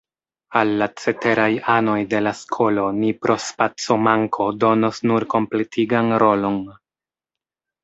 Al la ceteraj anoj de la skolo ni pro spacomanko donos nur kompletigan rolon.